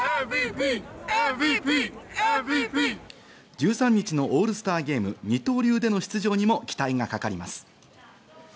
１３日のオールスターゲーム、二刀流での出場にも期待がかかります。